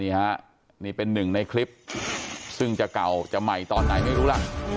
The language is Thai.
นี่ฮะนี่เป็นหนึ่งในคลิปซึ่งจะเก่าจะใหม่ตอนไหนไม่รู้ล่ะ